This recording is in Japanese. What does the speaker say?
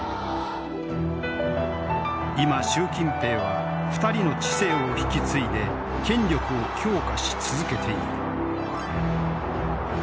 今習近平は２人の治世を引き継いで権力を強化し続けている。